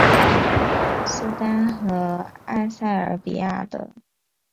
苏丹和埃塞俄比亚的白耳赤羚进行大规模迁徙。